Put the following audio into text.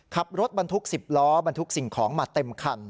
ขับรถบรรทุก๑๐ล้อบรรทุกสิ่งของมาเต็มคัน